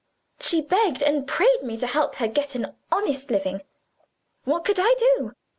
She begged and prayed me to help her to get an honest living. What could I do?